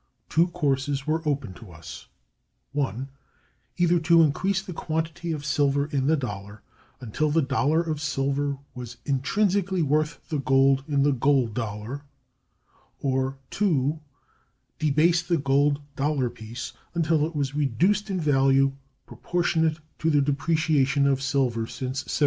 Two courses were open to us: (1) either to increase the quantity of silver in the dollar until the dollar of silver was intrinsically worth the gold in the gold dollar; or (2) debase the gold dollar piece until it was reduced in value proportionate to the depreciation of silver since 1792.